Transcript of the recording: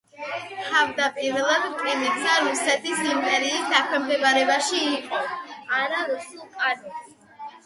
თავდაპირველად რკინიგზა რუსეთის იმპერიის დაქვემდებარებაში იყო.